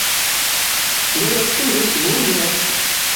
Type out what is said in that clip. Бер әйттем бит, булды!